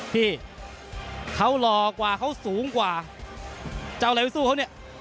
พี่เขาหล่อกว่าเขาสูงกว่าจะเอาอะไรไปสู้เขาเนี่ย